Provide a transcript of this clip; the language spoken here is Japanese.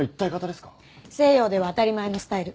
西洋では当たり前のスタイル。